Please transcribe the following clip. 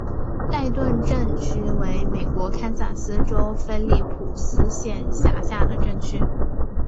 代顿镇区为美国堪萨斯州菲利普斯县辖下的镇区。